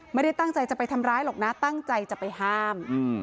ไม่ได้ตั้งใจจะไปทำร้ายหรอกนะตั้งใจจะไปห้าม